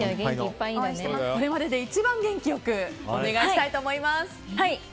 これまでで一番元気良くお願いしたいと思います。